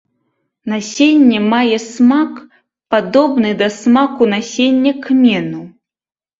Насенне мае смак, падобны да смаку насення кмену.